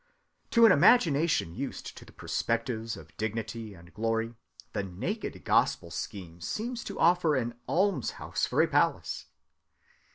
To an imagination used to the perspectives of dignity and glory, the naked gospel scheme seems to offer an almshouse for a palace.